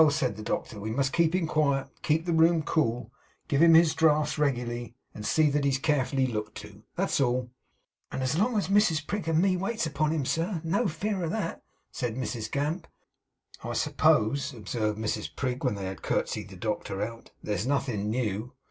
said the doctor, 'we must keep him quiet; keep the room cool; give him his draughts regularly; and see that he's carefully looked to. That's all!' 'And as long as Mrs Prig and me waits upon him, sir, no fear of that,' said Mrs Gamp. 'I suppose,' observed Mrs Prig, when they had curtseyed the doctor out; 'there's nothin' new?